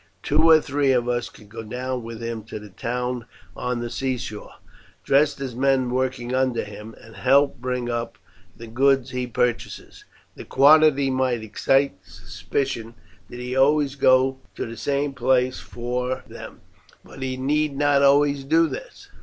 Two or three of us could go down with him to the town on the seashore, dressed as men working under him, and help bring up the goods he purchases. The quantity might excite suspicion did he always go to the same place for them, but he need not always do this.